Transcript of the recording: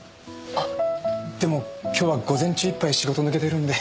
あでも今日は午前中一杯仕事抜けてるんで。